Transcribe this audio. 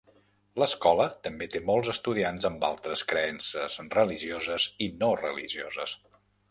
L'escola també té molts estudiants amb altres creences religioses i no religioses.